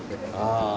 ああ！